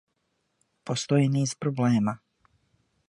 Постоји низ проблема. ...